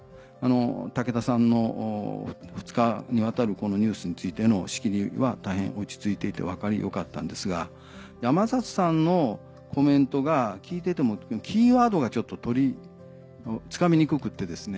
武田さんの２日にわたるこのニュースについての仕切りは大変落ち着いていて分かり良かったんですが山里さんのコメントが聞いてても特にキーワードがちょっとつかみにくくてですね